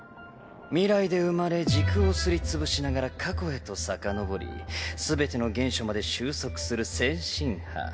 未来で生まれ時空をすり潰しながら過去へと遡り全ての原初まで収束する先進波。